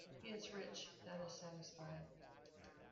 He is rich that is satisfied.